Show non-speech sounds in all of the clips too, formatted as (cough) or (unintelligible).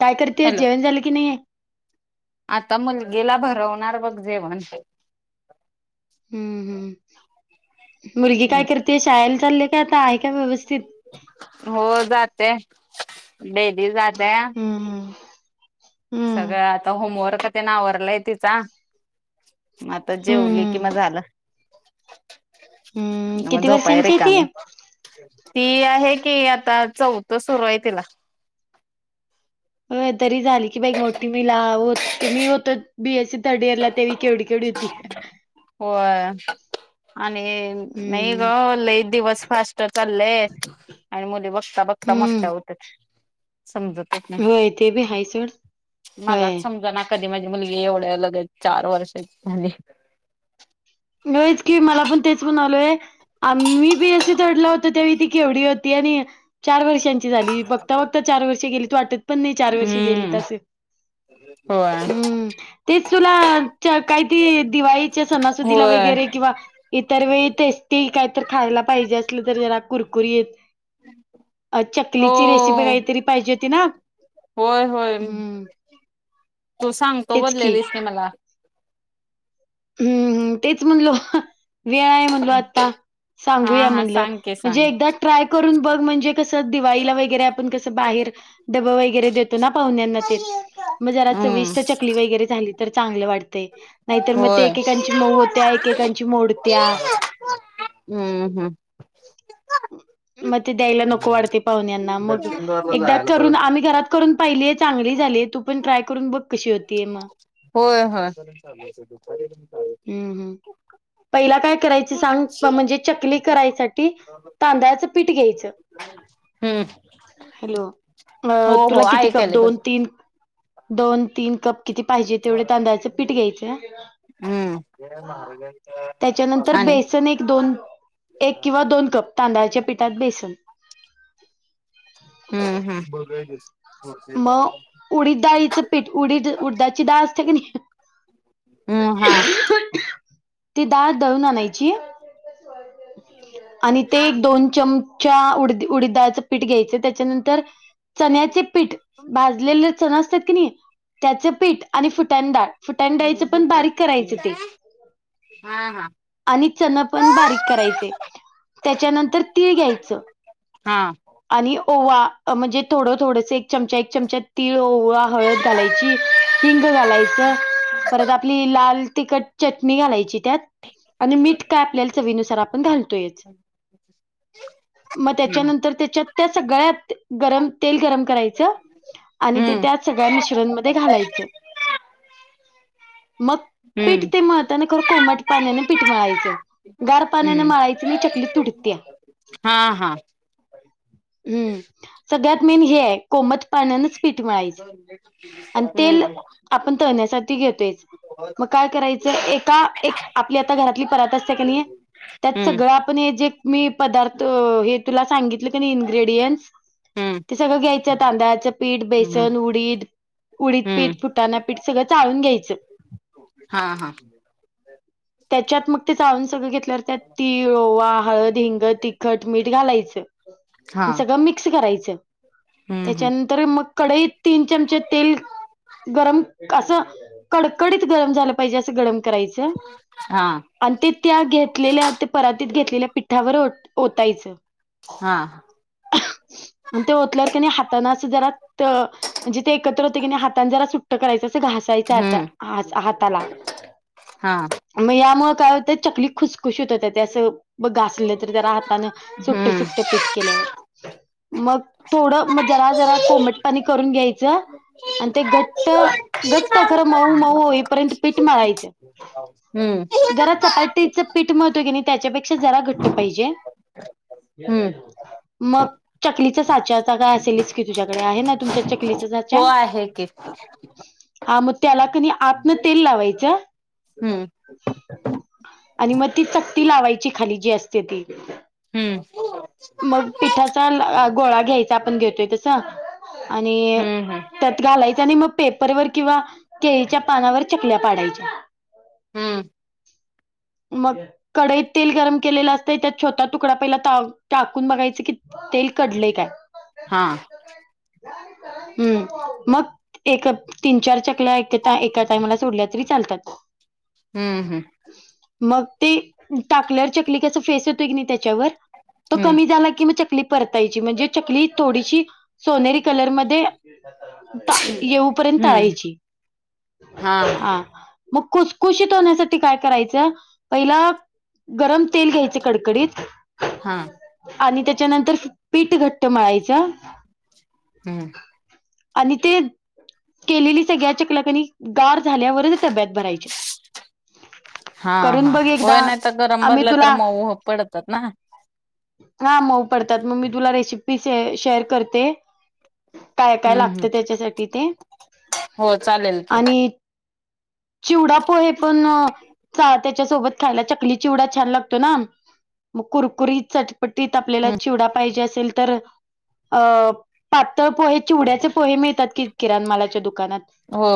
काय करतेयस? हॅलो जेवण झालं की नाही? आता मुलगीला भरवणार बघ जेवण. हम्म. हम्म. मुलगी काय करतेय? शाळेला चालली का? आता आहे का व्यवस्थित? हो जाते. डेली जाते. हम्म हम्म सगळं आता होमवर्क ते न आवरलाय तिचा. मग आता हम्म जेवली कि हम्म म झालं. हम्म म किती झोपाया वर्षांची आहे ती रिकामी. ती आहे की आता चौथ सुरू आहे तिला. अ तरी झाली की बाई मोठी. (unintelligible) की मी होतो बी एस सी थर्ड इयरला. तेव्हा ही केवढी केवढी होती. होय. आणि नाही ग हम्म लई दिवस फास्ट चाललेत. आणि मुले बघता बघता मोठ्या हम्म होत्यात. समजत- नाही. होय ते बी हाय सोड होय मलाच समजना. कधी माझी मुलगी एवढ्या लगत चार वर्षा ची झाली. हेच की मला पण तेच म्हणालोय. आ मी बीएससी थर्डला होतो ते ती केवढी होती आणि चार वर्षांची झाली बगता बगता चार वर्ष गेली वाटत पण नाही चार वर्षी गेली हम्म तसं होय हम्म तेच तुला काहीती दिवाळीच्या सणासुदीला होय वगैरे किंवा इतर वेळी टेस्टी काहीतरी खायला पाहिजे असली तर जरा कुरकुरी येत अ हो चकलीची रेसिपी काहीतरी पाहिजे होती ना. होय होय हम्म. तू सांगतो तेच की. बोललीस ना मला हम्मम तेच म्हणलो वेळ आहे म्हणलो आता हा सांगूया हा म्हणलं सांग की सांग म्हणजे एकदा ट्राय करून बघ म्हणजे कसं दिवाळीला वगैरे आपण कसं बाहेर डबं वगैरे देतो ना पाहुण्यांना ते मग जरा हम्म चविष्ट चकली वगैरे झाली तर चांगले वाटते नाहीतर मग होय एककांची मऊ होत्या एकेकांची मोडत्या हम्म हम्म मग ते द्यायला नको वाटते पाहुण्याना मग एकदा करून आम्ही घरात करून पाहिली चांगली झाली तू पण ट्राय करून बघ कशी होतीय मग होय होय. खरी हम्म हम् पहिला काय करायच सांग म्हणजे चकली करायसाठी तांदळाचं पीठ घ्यायचं. हम्म हॅलो अ हो हो तुला किती कप ऐकायले दोन बस तीन दोन तीन कप किती पाहिजे तेवढे तांदळाचं पीठ घ्यायचं. हम् जय त्याच्यानंतर महाराजांचा आणि बेसन एक दोन एक किंवा दोन कप तांदळाच्या पिठात बेसन हम् हम् बघायचच. मग उडीद डाळीचं पीठ उडीद उडदाची डाळ असते क नाही. हम् हा. ती डाळ दळून आणायची आणि ते हा एक दोन चम च्या उड उडीद दाळचं पीठ घ्यायचं त्याच्यानंतर चण्याचे पीठ भाजलेले चण असतात की नाही त्याचे पीठ आणि फुट्यान डाळ फुटाण खडू डाळीचे पण देतो बारीक करायचं ते हा हा. आणि चण पण बारीक करायचे. त्याच्यानंतर तीळ हा घ्यायचं. हा आणि ओवा म्हणजे थोडं थोडंस चमचा एक चमचा तीळ, ओळा, हळद घालायची हिंग घालायचं. परत आपली लाल तिखट चटणी घालायची त्यात आणि मीठ काय आपल्याला चवीनुसार आपण घालतोय. मग हम्म त्याच्यानंतर त्याच्यात त्या सगळ्यात गरम तेल गरम कराय आणि ते हम्म त्यात सगळ्या मिश्रणमध्ये घालायचं. मग पीठ हम्म ते मळताना खरं कोमट पाण्याने पीठ मळायचे. गार पाण्याने हम्म मळायच नाही चकली तुटते. हा हा. हम्म सगळ्यात मेन हे आहे कोमट पाण्यानच पीठ मळायच आणि तेल हम्म आपण तळण्यासाठी घेतोयच. मग काय करायचं एका एक आपली आता घरातली परात असते का नाही त्यात हम्म सगळं पण हे जे मी पदार्थ हे तुला सांगितलं इंग्रेडिँट्स हम्म ते सगळं घ्याय त्यात तांदळाचं पीठ हम्म बेसन उडीद उडीद हम्म पीठ फुटाना पीठ सगळं चाळून घ्यायचं हा हा! त्याच्यात मग ते चाळून सगळं घेतल्यावरती तीळ ओवा हळद हिंग तिखट मीठ घालायचं हा सगळं मिक्स करायचं हम्म हम्म त्याच्यानंतर मग कढईत तीन चमचे तेल गरम असं कडकडीत गरम झालं पाहिजे असं गरम करायचं हा आणि ते त्या घेतलेल्या ते परातीत घेतलेल्या पिठावर ओतायचं हा! आण ते ओतल्यावर कणी हातान अस जरा त म्हणजे ते एकत्र होते की नाही हातान जरा सुट्ट करायं अस घास सायच आता हम्म असं हात हाताला हा म यामुळं काय होतं चकली खुसखुशी होत होत त्ते असं मग घासले तरी जरा हाताानं सुट्टे हम्म. सुट्टे पीठ केल्यावर मग थोडं मग जरा जरा कोमट पाणी करून घ्यायचं आणि ते घट्ट घट्ट खरं मऊ मऊ होईपर्यंत पीठ मळायचं हम्म. जरा चपाटीच पीठ मिळतोय कणी त्याच्यापेक्षा जरा घट्ट पाहिजे हम्म मग चकलीच्या साच्यात एखादा असेलच की तुझ्याकडे आहे ना तुमच्या चकलीचा हो साच्या आहे की हा मग त्याला कणी आतनं तेल लावायचं हम्म! आणि मग ती चकती लावायची खाली जी असते ती- हम्म. मग पिठाचा गोळा घ्यायचा आपण घेतोय तस आणि हम्म हम्म त्यात घालायच आणि मग पेपरवर किंवा केळीच्या पानावर चकल्या पाडायच्या. हम्म! मग कढईत तेल गरम केलेलं असतय त्यात छोटा तुकडा पहिला टाकू टाकून बघायच की तेल कढले काय हा! हम्म, मग एक तीन चार चकल्या एका एका टाइमाला सोडल्या तरी चालतात. हम्म हम्म! मग ते टाकल्यावर चकली कस फेस येतोय की नाही त्याच्यावर तो हम्म कमी झाला की मग चकली परतायची म्हणजे चकली थोडीशी सोनेरी कलर मध्ये ता येऊपर्यंत हम्म तळायची हा हा आ मग खुसखुशीत होण्यासाठी काय करायचं पहिला गरम तेल घ्यायचे कडकडीत हा! आणि त्याच्यानंतर पीठ घट्ट मळायच हम्म! आणि ते केल्याली सगळ्या चकल्या कणी गार झाल्यावरच डब्यात भरायचे. हा हा एकदा होय नाही तर गरम आम्ही भरलं तर तुला मऊ पडतात ना हा मऊ पडतात मग मी तुला रेसिपी शेअर करते काय काय हम्म हम्म लागतं त्याच्यासाठी ते हो चालेल की आणि चिवडा पोहे पण त्याच्यासोबत खायला चकली चिवडा छान लागतो ना मग कुरकुरी च पण तथ आपल्याला हम्म चिवडा पाहिजे असेल तर अ पातळ पोहे चिवड्याचे पोहे मिळतात की किराणमालाच्या दुकानात हो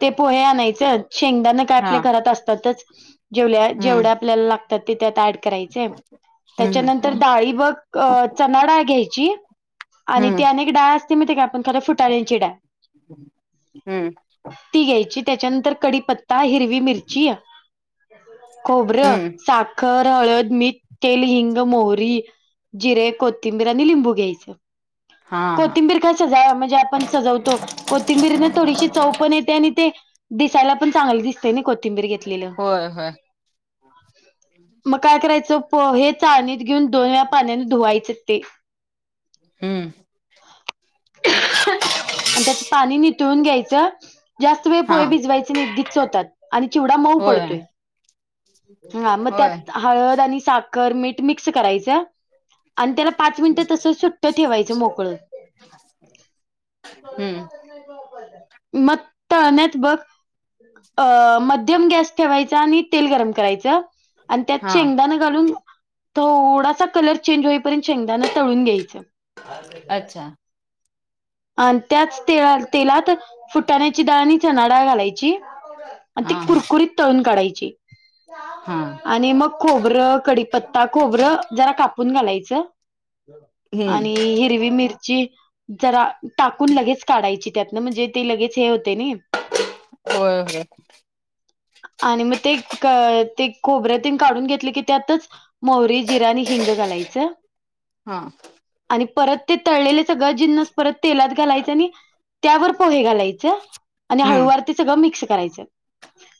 ते पोहे आणायच शेंगदा न हा जे जेव हम्म करा हम्म. त्याच्यानंतर डाळी बघ चनाड घ्यायची आणि हम्म ते अनेक डाळ असते मी ते का आपण खर फुाळ्यांची डाळ हम्म ती घ्यायची त्याच्यानंतर कडीी पत् हिरवी मिर्ची खोबर हम्म सा ख हळद मीठ तेल हिंग मोर जे कोथिंबीर लंबू घ्याय हा हा कोथंबीर सज म्हणजे आपण सजवतो कोथिंबीरीने थोडीशी चौपण येते आणि ते दिसायला पण चांगले दिसतेय को बीर घेतलं होय होय मग काय करायचं हे दुवाईचेते हम्म, आणि त्याच पाणी नितळून घ्यायचं. जास्त वेळ हा पोहे भिजयचे नाहीत, गिच्च होतात. आणि चिवडा मऊ होय पडतोय,, हा, मग होय त्यात हळद आणि साखर, मीठ. मिक्स करायच. ठेवायचं मोकळं. हम्म, मग, तळण्यात बघ. अ, मध्यम गॅस ठेवायचा, आणि तेल गरम करायचं. आणि त्यात हा शेंगदाणा घालून, थोडासा कलर चेंज होईपर्यंत शेंगदाना तळून घ्यायचं अच्छा आणि त्याच ते तेलात फुटाण्याची डाळ आणि चणा डाळ घालायची. आणि ती हा हा कुरकुरीत तळून काढायची. हा, आणि मग खोबरं, कडीपत्ता, खोबरं जरा कापून घालायचं. आणि हम्म हिरवी मिरची, जरा टाकून लगेच काढायची. त्यात ना म्हणजे ते लगेच हे होतय नाई. होय होय आणि मग ते, ते खोबऱ्यातील काढून घेतले की त्यातच. मोहरी, जिरं आणि हिंग घालायचं. हा, आणि परत ते तळलेले सगळ जिन्नस, परत तेलात घालायचे आणि. त्यावर पोहे घालायचं. आणि हम्म हळुवार ते सगळं मिक्स करायचं,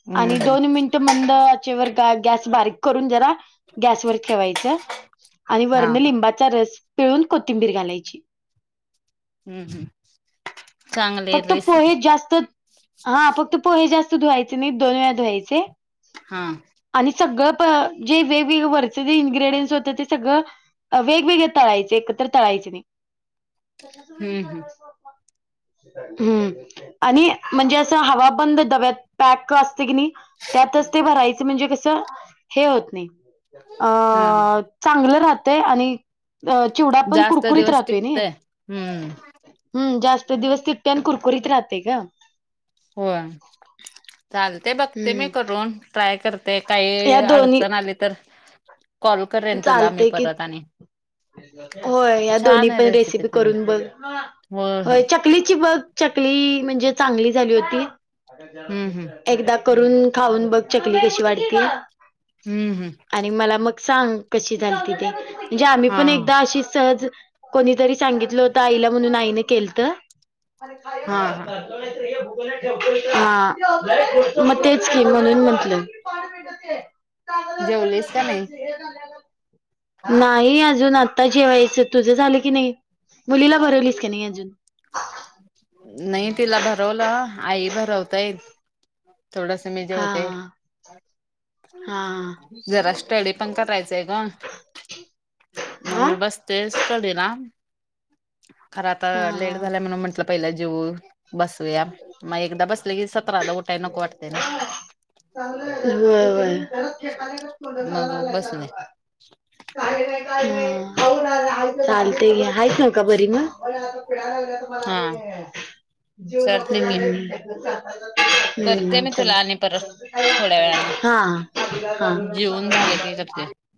हम्म आणि हम्म दोन मिनिटं मंदऽ चेवर गॅस बारीक करुन जरा गॅसवर ठेवायच, आणि हा वरनं, हा लिंबाचऽ चा रस पिळून कोथिंबीर घालायची. हम्म हम्. फक्त पोहे जास्त, हा फक्त पोहे जास्त धुवायचे नाही दोन वेळा धुवायचे. हा. आणि सगळं प जे वेगवेगळे वरचे जे इन्ग्रेडियंट्स होतं ते सगळं वेगवेगळे तळायचे एकत्र तळायचे नाही. हम्म हम्. हम्म, आणि म्हणजे असं हवाबंद डब्यात पॅक असतय की नाही त्यातच ते भरायचं म्हणजे कसं, हे होत नाही. अ हा चांगलं राहतय आणि अ चिवडा पण जास्त कुरकुरीत दिवस राहतोय नई. टिकतय हम्म हम् जास्त दिवस टिकतय आणि कुलकुरीत राहतय गं. होय, चालतय बघते मी हम्म करून ट्राय कर ते काही या दोन्ही अडचण आली तर, कॉल करेन तुला मी चालतय की परत आणि. होय ह्या दोन्ही छान आहे पन रेसिपी तुझी करून बग, होय च चकलीची बघ चकली म्हणजे चांगली झाली होती, हम्म हम्म एकदा करून खाऊन बघ चकली कशी वाटतीय. हम्म हम्म. आणि मला मग सांग कशी झालती ते म्हणजे आम्ही हा पण एकदा अशी सहज कोणीतरी सांगितलं होत आईला म्हणून आईन केलतं. हा हा हा म तेच की म्हणून म्हटलं. (unintelligible) जेवलीस का नाही? नाही अजून आता जेवायचं तुझं झालं की नाही? मुलीला भरवलीस का नाही अजून? नाही तिला भरवलं आई भरवता येत. थोडस मी हा जेवते. हा जरा स्टडी पण करायचं आहे ग, म हा हा मी बस तेच स्टडी ना, खरं आता हा लेट हा. झालाय म्हणून म्हंटलं पहिला जेऊ. बसूया म एकदा बसल की सतरादा उठाय नको वाटतय ना. होय होय मग बसले (unintelligible) काय रे काय रे हा खाऊन आला (unintelligible) चालतय घे हाईस नव का बरी मग? हा जीव नको चालते की झालय (unintelligible) हम्म करते हम्म. मी तुला आणि परत थोड्या (unintelligible) वेळान हा जेवून झालं की करते. हा.